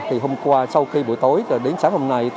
thì hôm qua sau khi buổi tối đến sáng hôm nay